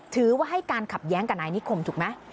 ถือว่าให้การขัดแย้งกับนายนิคมถูกไหม